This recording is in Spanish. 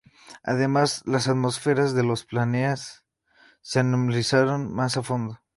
Además, las atmósferas de los planetas se analizaron más a fondo.